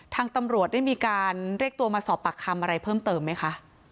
ทางตำรวจได้มีการเรียกตัวมาสอบปากคำอะไรเพิ่มเติมไหมคะ